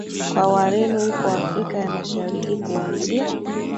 kwa Wareno huko Afrika ya Mashariki kuanzia